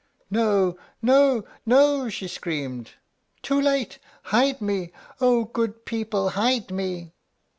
"No, no, no!" she screamed; "too late! Hide me! O good people, hide me!"